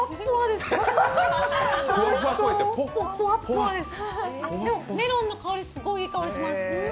でもメロンの香り、すごいいい香りがします。